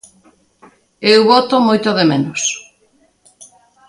Eu bótoo moito de menos.